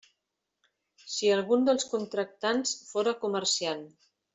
Si algun dels contractants fóra comerciant.